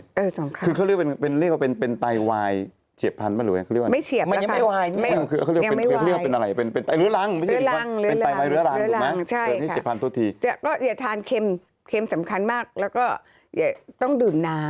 เออ๒ข้างคือเขาเรียกว่าเป็นไตไวล์เฉียบภัณฑ์เปล่าหรือไง